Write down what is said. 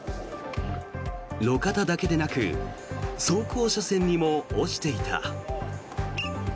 路肩だけでなく走行車線にも落ちていた。